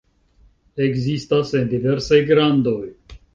Ekzistas en diversaj grandoj.